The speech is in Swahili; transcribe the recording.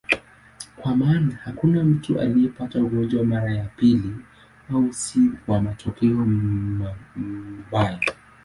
Kwa maana hakuna mtu aliyepata ugonjwa mara ya pili, au si kwa matokeo mbaya.